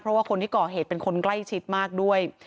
เพราะว่าคนที่ก่อเหตุเป็นคนใกล้ชิดมากด้วย